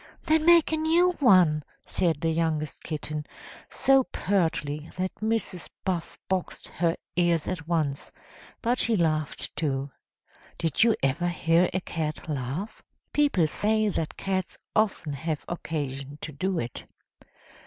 "Then make a new one," said the youngest kitten, so pertly that Mrs. Buff boxed her ears at once but she laughed too. Did you ever hear a cat laugh? People say that cats often have occasion to do it.